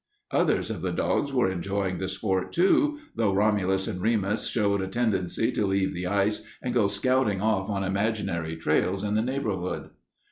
Others of the dogs were enjoying the sport, too, though Romulus and Remus showed a tendency to leave the ice and go scouting off on imaginary trails in the neighborhood.